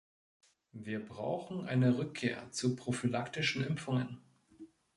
Wir brauchen eine Rückkehr zu prophylaktischen Impfungen.